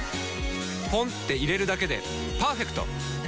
ポンって入れるだけでパーフェクト！